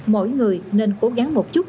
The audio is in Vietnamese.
mỗi người nên cố gắng một chút